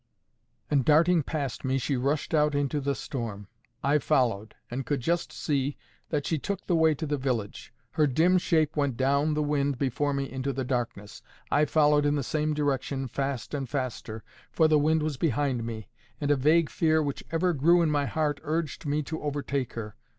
And, darting past me, she rushed out into the storm. I followed, and could just see that she took the way to the village. Her dim shape went down the wind before me into the darkness. I followed in the same direction, fast and faster, for the wind was behind me, and a vague fear which ever grew in my heart urged me to overtake her.